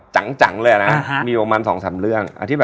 ชั้นต้องผ่าน